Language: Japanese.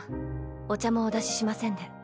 お茶もお出ししませんで。